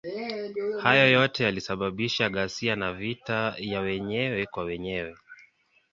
Hayo yote yalisababisha ghasia na vita ya wenyewe kwa wenyewe.